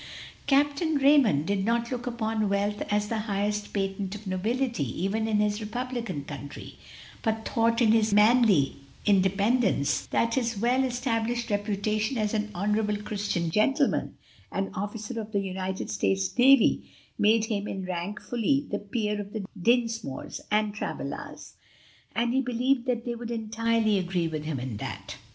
Captain Raymond did not look upon wealth as the highest patent of nobility even in this republican country, but thought, in his manly independence, that his well established reputation as an honorable, Christian gentleman, and officer of the United States Navy, made him in rank fully the peer of the Dinsmores and Travillas; and he believed that they would entirely agree with him in that.